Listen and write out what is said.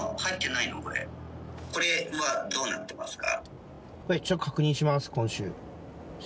「これはどうなってますか？」